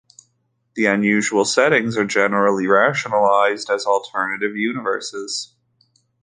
The unusual settings are generally rationalized as alternative universes.